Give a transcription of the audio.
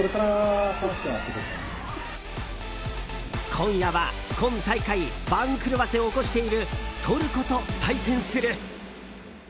今夜は今大会、番狂わせを起こしているトルコと対戦する。